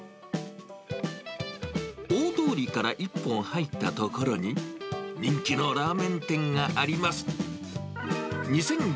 大通りから一本入った所に、人気のラーメン店があります。